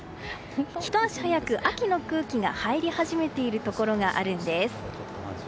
ひと足早く秋の空気が入り始めているところがあるんです。